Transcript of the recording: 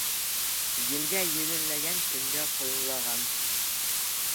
Елгә еленләгән, көнгә ҡолонлаған.